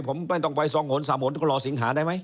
ผมไม่ต้องไปทรงหนสามหนก็รอสิงหาได้ไหม